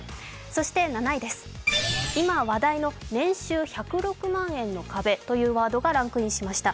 ７位です、今話題の「年収１０６万円の壁」というワードがランクインしました。